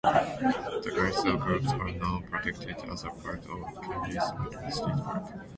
The glacial grooves are now protected as part of Kelleys Island State Park.